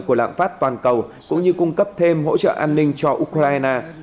của lạm phát toàn cầu cũng như cung cấp thêm hỗ trợ an ninh cho ukraine